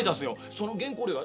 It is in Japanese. その原稿料が。